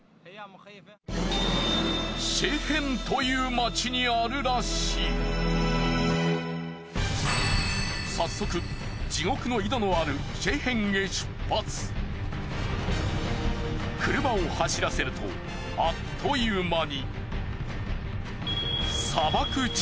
更に早速地獄の井戸のある車を走らせるとあっという間に。